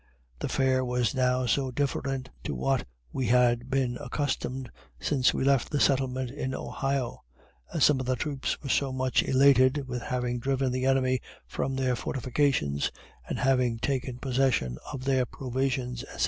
The fare was now so different to what we had been accustomed since we left the settlement in Ohio and some of the troops were so much elated with having driven the enemy from their fortifications, and having taken possession of their provisions, &c.